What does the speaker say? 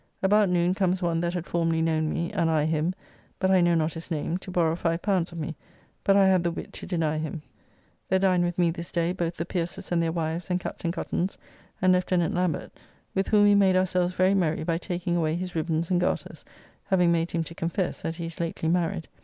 About noon comes one that had formerly known me and I him, but I know not his name, to borrow L5 of me, but I had the wit to deny him. There dined with me this day both the Pierces' and their wives, and Captain Cuttance, and Lieutenant Lambert, with whom we made ourselves very merry by taking away his ribbans and garters, having made him to confess that he is lately married.